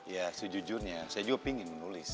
ya sejujurnya saya juga ingin menulis